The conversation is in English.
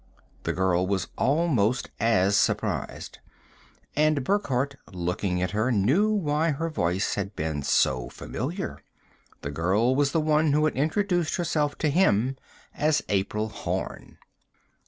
The girl was almost as surprised. And Burckhardt, looking at her, knew why her voice had been so familiar. The girl was the one who had introduced herself to him as April Horn.